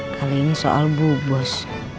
kali ini soal bu bos